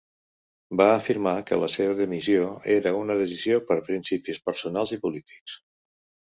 Va afirmar que la seva dimissió era "una decisió per principis personals i polítics".